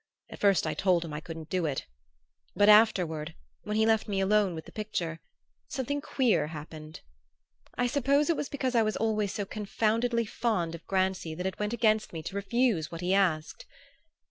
At first I told him I couldn't do it but afterward, when he left me alone with the picture, something queer happened. I suppose it was because I was always so confoundedly fond of Grancy that it went against me to refuse what he asked.